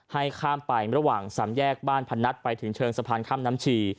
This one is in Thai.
ให้ข้ามไประหว่างสามแยกบ้านพนัทไปถึงเชิงสะพานข้ามน้ำชี